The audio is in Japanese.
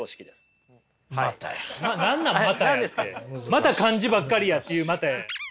また漢字ばっかりやっていう「またや」。